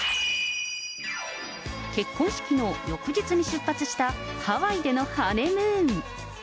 結婚式の翌日に出発したハワイでのハネムーン。